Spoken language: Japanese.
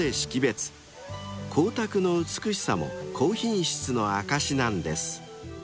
［光沢の美しさも高品質の証しなんです］